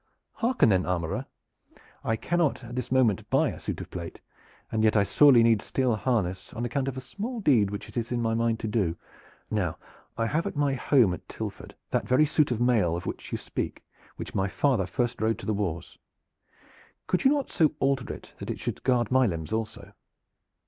"Hearken then, armorer! I cannot at this moment buy a suit of plate, and yet I sorely need steel harness on account of a small deed which it is in my mind to do. Now I have at my home at Tilford that very suit of mail of which you speak, with which my father first rode to the wars. Could you not so alter it that it should guard my limbs also?"